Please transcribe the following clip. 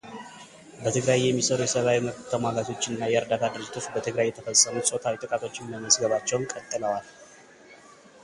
በትግራይ የሚሰሩ የሰብዓዊ መብት ተሟጋቾች እና የእርዳታ ድርጅቶች በትግራይ የተፈጸሙ ጾታዊ ጥቃቶችን መመዝገባቸውን ቀጥለዋል።